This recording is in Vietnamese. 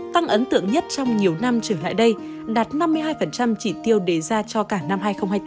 tăng ấn tượng nhất trong nhiều năm trở lại đây đạt năm mươi hai chỉ tiêu đề ra cho cả năm hai nghìn hai mươi bốn